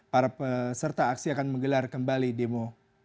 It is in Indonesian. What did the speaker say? para peserta aksi akan menggelar kembali demo